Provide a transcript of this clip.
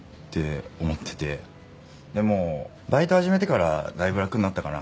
でもバイト始めてからだいぶ楽になったかな。